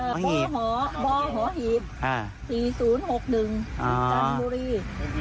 วันนี้ขวับ